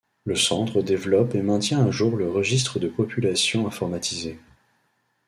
Le centre développe et maintient à jour le Registre de population informatisé.